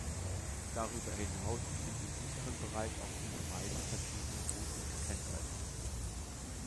Darüber hinaus sind im unteren Bereich auf diese Weise verschiedene Routen gekennzeichnet.